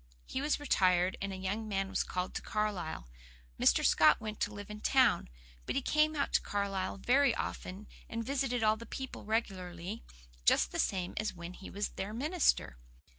He was retired, and a young man was called to Carlisle. Mr. Scott went to live in town, but he came out to Carlisle very often, and visited all the people regularly, just the same as when he was their minister.